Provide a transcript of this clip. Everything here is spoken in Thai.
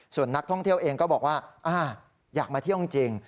ส่วนนักท่องเที่ยวเองก็บอกว่าอยากมาเที่ยวจริง